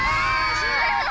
終了！